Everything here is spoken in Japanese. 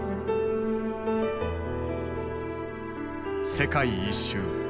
世界一周。